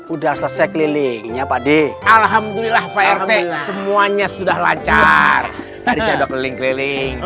udah selesai kelilingnya padi alhamdulillah prt semuanya sudah lancar tadi sudah keliling keliling